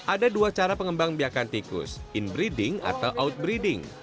ada dua cara pengembang biakan tikus inbreeding atau outbreeding